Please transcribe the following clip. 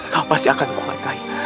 kau pasti akan kuat rai